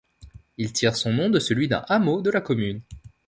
Il tire son nom de celui d'un hameau de la commune.